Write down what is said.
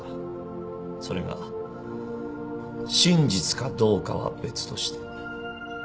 それが真実かどうかは別として。